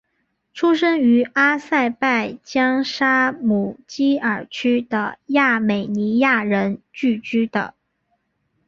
出生于阿塞拜疆沙姆基尔区的亚美尼亚人聚居的。